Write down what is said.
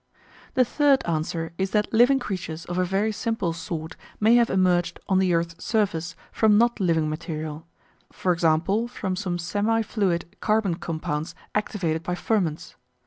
The third answer is that living creatures of a very simple sort may have emerged on the earth's surface from not living material, e.g. from some semi fluid carbon compounds activated by ferments.